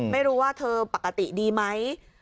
ไม่รู้ว่าเธอปกติดีไหม